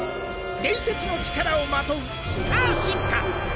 伝説の力をまとうスター進化。